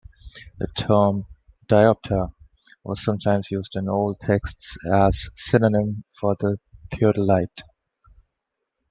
The term "diopter" was sometimes used in old texts as a synonym for theodolite.